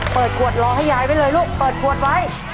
เปิดขวดรอให้ยายไว้เลยลูกเปิดขวดไว้